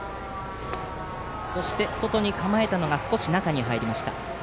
そして外に構えたのが少し中に入りました。